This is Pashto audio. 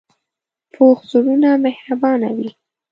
پوخ زړونه مهربانه وي